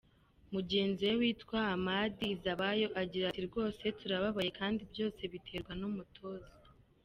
Mugenzi we witwa Hamad Izabayo agira ati “Rwose turababaye kandi byose biterwa n’umutoza.